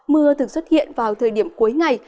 mưa thường xuất hiện vào thời điểm cuối ngày